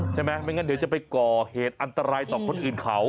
ไม่งั้นเดี๋ยวจะไปก่อเหตุอันตรายต่อคนอื่นเขา